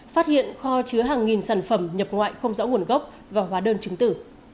phát hiện kho chứa hàng nghìn sản phẩm nhập ngoại không rõ nguồn gốc và hóa đơn chứng tử